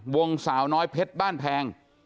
วงสาวน้อยเพชรบ้านแพง